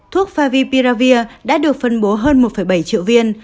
thuốc favipiravir đã được phân bố hơn một bảy triệu viên